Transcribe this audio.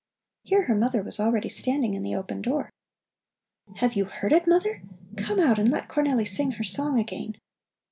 Here her mother was already standing in the open door. "Have you heard it, Mother? Come out and let Cornelli sing her song again!"